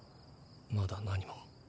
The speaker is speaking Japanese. まだ何も。